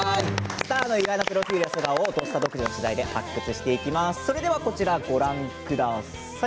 スターの意外なプロフィールや素顔を「土スタ」独自の取材で発掘します。